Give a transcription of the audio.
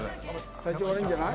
体調悪いんじゃない？